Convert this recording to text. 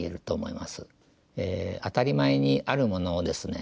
当たり前にあるものをですね